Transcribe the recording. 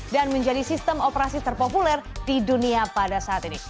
dan menjadi sistem operasi terpopuler di dunia pada saat ini